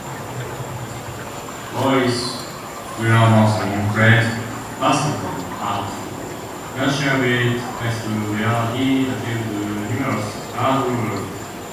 Corliss Williamson played basketball at Russellville High School, where he achieved numerous accolades.